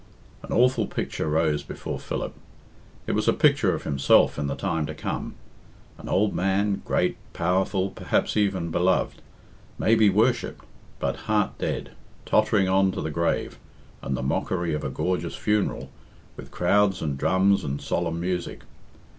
An awful picture rose before Philip. It was a picture of himself in the time to come. An old man great, powerful, perhaps even beloved, maybe worshipped, but heart dead, tottering on to the grave, and the mockery of a gorgeous funeral, with crowds and drums and solemn music.